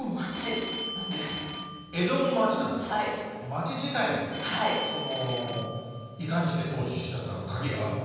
町自体にそのいかにして統治したかのカギがあるの？